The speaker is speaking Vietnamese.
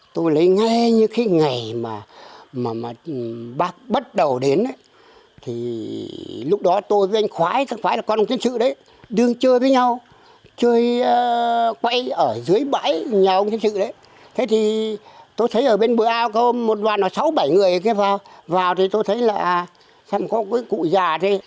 tôi thấy ở bên bờ ao có một vài sáu bảy người vào thì tôi thấy là xong có một cụ già đi